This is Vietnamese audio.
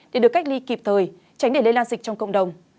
để được cách ly kịp thời tránh để lây lan dịch trong cộng đồng